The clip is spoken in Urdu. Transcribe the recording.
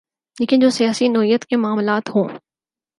لیکن جو سیاسی نوعیت کے معاملات ہوں۔